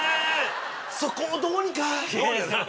そこをどうにか。